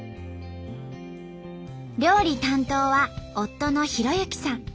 料理担当は夫の弘之さん。